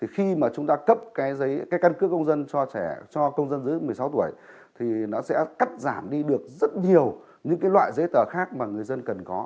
khi mà chúng ta cấp cái căn cước công dân cho trẻ cho công dân dưới một mươi sáu tuổi thì nó sẽ cắt giảm đi được rất nhiều những loại giấy tờ khác mà người dân cần có